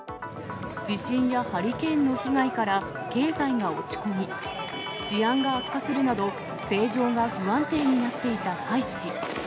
地震やハリケーンの被害から経済が落ち込み、治安が悪化するなど、政情が不安定になっていたハイチ。